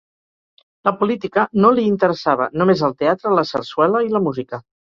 La política no li interessava, només el teatre, la sarsuela i la música.